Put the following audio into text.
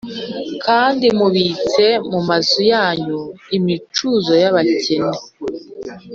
kandi mubitse mu mazu yanyu, imicuzo y’abakene.